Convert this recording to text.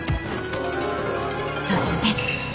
そして。